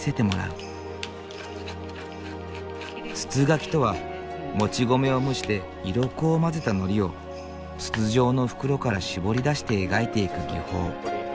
筒描とはもち米を蒸して色粉を混ぜたのりを筒状の袋からしぼり出して描いていく技法。